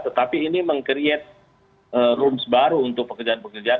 tetapi ini meng create rooms baru untuk pekerjaan pekerjaan